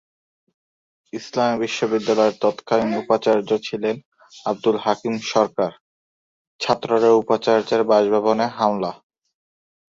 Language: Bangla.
ইসলামী বিশ্ববিদ্যালয়ের তৎকালীন উপাচার্য ছিলেন আব্দুল হাকিম সরকার, ছাত্ররা উপাচার্যের বাসভবনে হামলা।